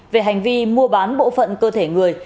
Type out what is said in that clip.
về hành vi mua bán bộ phận cơ thể người